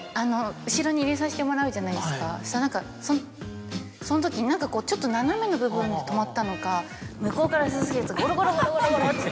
後ろに入れさせてもらうじゃないですかそしたら何かそのとき何かこうちょっと斜めの部分で止まったのか向こうからスーツケースゴロゴロゴロゴロっつって。